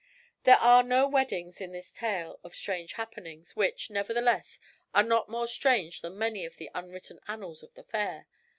There are no weddings in this tale of strange happenings, which, nevertheless, are not more strange than many of the unwritten annals of the Fair.